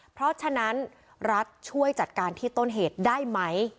เพราะฉะนั้นรัฐช่วยจัดการที่ต้นเหตุได้ไหม